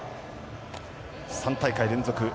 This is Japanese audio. ３大会連続